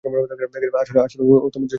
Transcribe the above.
আসলে, ও জোসেফের সাথে আসছে।